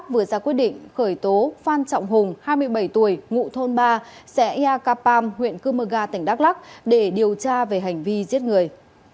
vừa ra quyết định khởi tố phan trọng hùng hai mươi bảy tuổi ngụ thôn ba xe yakapam huyện kumaga tỉnh đắk lắc để điều tra về hành vi giết người